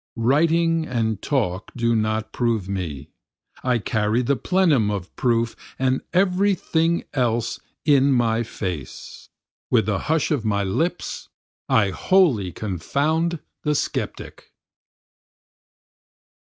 Writing and talk do not prove me, I carry the plenum of proof and every thing else in my face, With the hush of my lips I wholly confound the skeptic.